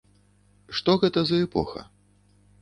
Што гэта за эпоха?